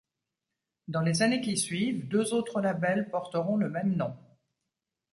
Dans les années qui suivent deux autres labels porteront le même nom.